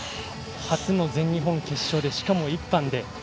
初の全日本決勝でしかも１班で。